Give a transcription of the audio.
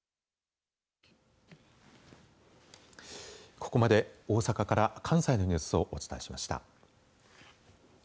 ここまで大阪から関西のニュースをお伝えしました。